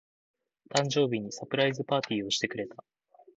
誕生日にサプライズパーティーをしてくれた。